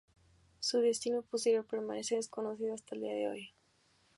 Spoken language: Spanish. Su destino posterior permanece desconocido hasta el día de hoy.